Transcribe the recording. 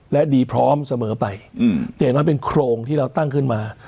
และดีพร้อมเสมอไปแต่อย่างน้อยเป็นโครงที่เราตั้งขึ้นมา